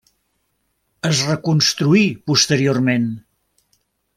Es reconstruí posteriorment.